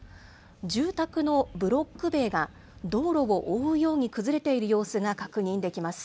住宅のブロック塀が道路を覆うように崩れている様子が確認できます。